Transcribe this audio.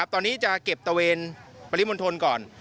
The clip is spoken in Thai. ตอนนี้จะเก็บตะเวนปริมณฑลก่อน